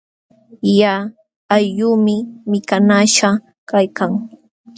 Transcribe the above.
Lla aylluumi mikanaśhqa kaykan.